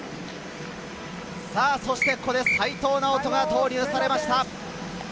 そして、ここで齋藤直人が投入されました。